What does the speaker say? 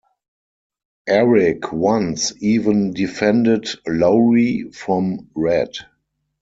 Eric once even defended Laurie from Red.